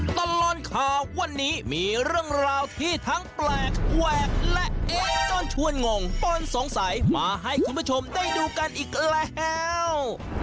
ตลอดข่าววันนี้มีเรื่องราวที่ทั้งแปลกแหวกและเอ๊ะจนชวนงงต้นสงสัยมาให้คุณผู้ชมได้ดูกันอีกแล้ว